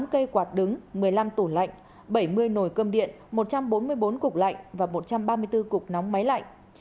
một mươi cây quạt đứng một mươi năm tủ lạnh bảy mươi nồi cơm điện một trăm bốn mươi bốn cục lạnh và một trăm ba mươi bốn cục nóng máy lạnh